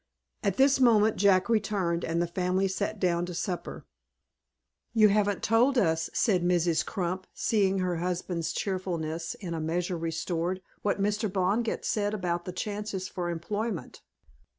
At this moment Jack returned, and the family sat down to supper. "You haven't told us," said Mrs. Crump, seeing her husband's cheerfulness in a measure restored, "what Mr. Blodgett said about the chances for employment."